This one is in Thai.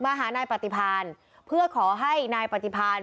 หานายปฏิพานเพื่อขอให้นายปฏิพาน